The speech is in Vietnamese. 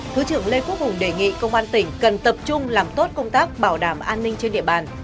thứ trưởng lê quốc hùng đề nghị công an tỉnh cần tập trung làm tốt công tác bảo đảm an ninh trên địa bàn